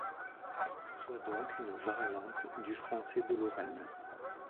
Soit donc une variante du français de Lorraine.